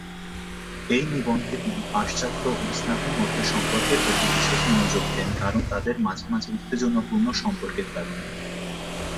এই নিবন্ধে, তিনি পাশ্চাত্য এবং ইসলামের মধ্যে সম্পর্কের প্রতি বিশেষ মনোযোগ দেন কারণ তাদের মাঝে মাঝে উত্তেজনাপূর্ণ সম্পর্কের কারণে।